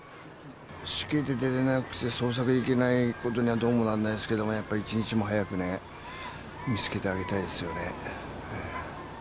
しけで出れなくて捜索に行けないことにはどうにもなんないですけど、一日も早く見つけてあげたいですよね。